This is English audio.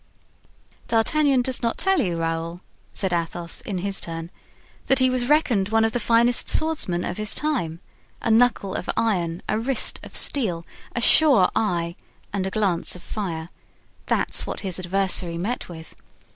"D'Artagnan does not tell you, Raoul," said Athos, in his turn, "that he was reckoned one of the finest swordsmen of his time—a knuckle of iron, a wrist of steel, a sure eye and a glance of fire; that's what his adversary met with.